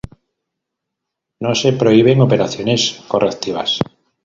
No se prohíben operaciones correctivas.